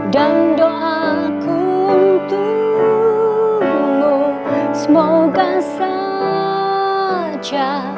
dan doaku untukmu semoga saja